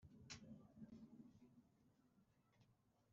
y’intore zikindikije inkindi